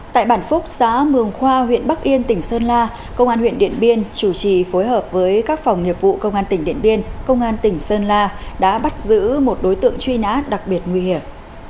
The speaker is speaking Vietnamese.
tại bản phúc xã mường khoa huyện bắc yên tỉnh sơn la công an huyện điện biên chủ trì phối hợp với các phòng nghiệp vụ công an tỉnh điện biên công an tỉnh sơn la đã bắt giữ một đối tượng truy nã đặc biệt nguy hiểm